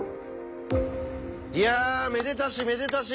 いやめでたしめでたし！